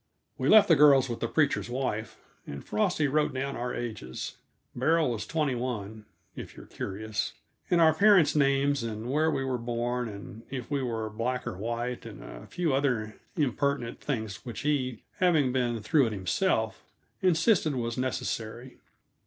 We left the girls with the preacher's wife, and Frosty wrote down our ages Beryl was twenty one, if you're curious and our parents' names and where we were born, and if we were black or white, and a few other impertinent things which he, having been through it himself, insisted was necessary.